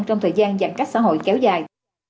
trong thời gian giãn cách xã hội kéo dài